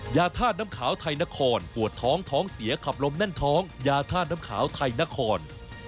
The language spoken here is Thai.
ยาธาตุน้ำขาวไทยนครปวดท้องท้องเสียขับลมแน่นท้องยาธาตุน้ำขาวไทยนคร